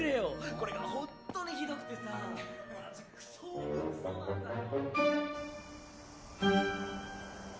これがほんとにひどくてさマジクソオブクソなんだよ。